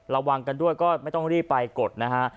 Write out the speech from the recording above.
ระวังกันด้วยก็ไม่ต้องรีบไปกดนะฮะ